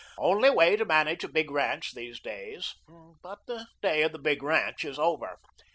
Only way to manage a big ranch these days. But the day of the big ranch is over.